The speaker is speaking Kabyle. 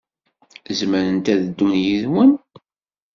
Zemrent ad ddunt yid-wen?